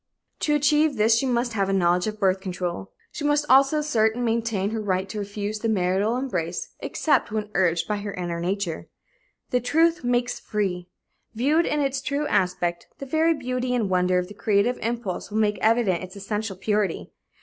To achieve this she must have a knowledge of birth control. She must also assert and maintain her right to refuse the marital embrace except when urged by her inner nature. The truth makes free. Viewed in its true aspect, the very beauty and wonder of the creative impulse will make evident its essential purity.